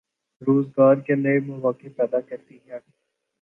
روزگار کے نئے مواقع پیدا کرتی ہے۔